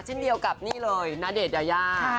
เช่นเดียวกับนี่เลยณเดชนยายา